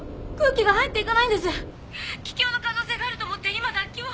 気胸の可能性があると思って今脱気を。